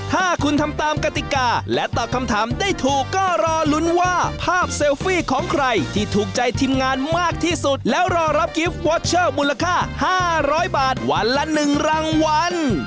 ถ้าคุณทำตามกติกาและตอบคำถามได้ถูกก็รอลุ้นว่าภาพเซลฟี่ของใครที่ถูกใจทีมงานมากที่สุดแล้วรอรับกิฟต์วอเชอร์มูลค่า๕๐๐บาทวันละ๑รางวัล